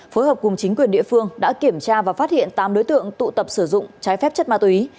phối hợp cùng chính quyền địa phương đã kiểm tra và phát hiện tám đối tượng tụ tập sử dụng trái phép chất ma túy